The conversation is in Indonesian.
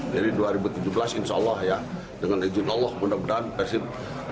jadi dua ribu tujuh belas insya allah ya dengan izin allah mudah mudahan persib